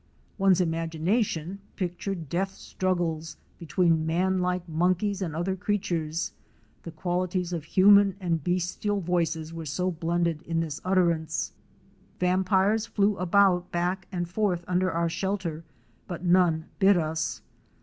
One's imagination pictured death struggles between man like mon keys and other creatures, the qualities of human and bestial voices were so blended in this utterance. Vampires flew about back and forth under our shelter but none bit us.